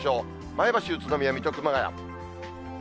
前橋、宇都宮、水戸、熊谷。